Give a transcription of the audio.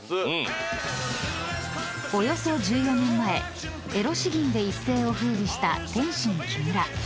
［およそ１４年前エロ詩吟で一世を風靡した天津木村］